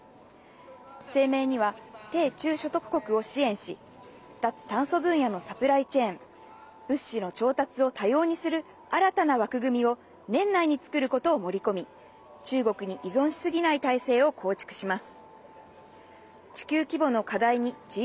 声明には、低中所得国を支援し、脱炭素分野のサプライチェーン、物資の調達を多様にする新たな枠組みを年内に作ることを盛り込み、中国に依存しすぎない体制を構築します。